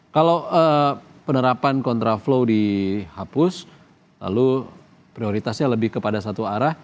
kalau penerapan kontraflow dihapus lalu prioritasnya lebih kepada satu arah